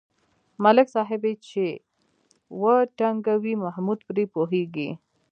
ملک صاحب یې چې و ټنگوي محمود پرې پوهېږي.